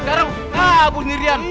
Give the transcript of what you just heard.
sekarang kabur sendirian